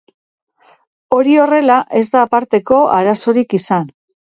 Hori horrela, ez da aparteko arazorik izan.